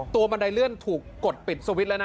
บันไดเลื่อนถูกกดปิดสวิตช์แล้วนะ